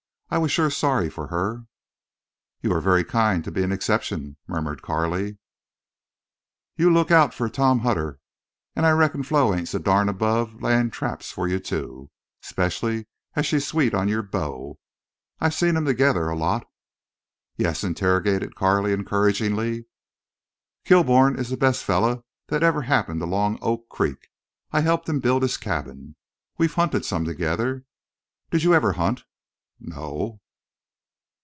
I was shore sorry fer her." "You were very kind to be an exception," murmured Carley. "You look out fer Tom Hutter, an' I reckon Flo ain't so darn above layin' traps fer you. 'Specially as she's sweet on your beau. I seen them together a lot." "Yes?" interrogated Carley, encouragingly. "Kilbourne is the best fellar thet ever happened along Oak Creek. I helped him build his cabin. We've hunted some together. Did you ever hunt?" "No."